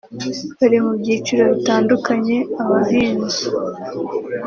bari mu byiciro bitandukanye abahinzi